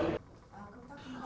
bước vào phần thi